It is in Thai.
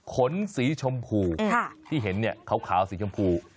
ขนสีชมพูที่เห็นเนี่ยขาวสีชมพู